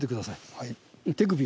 はい。